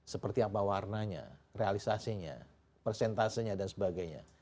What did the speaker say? seperti apa warnanya realisasinya persentasenya dan sebagainya